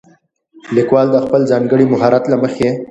ليکوال د خپل ځانګړي مهارت له مخې